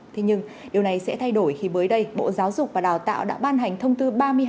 thế nhưng điều này sẽ thay đổi khi mới đây bộ giáo dục và đào tạo đã ban hành thông tư ba mươi hai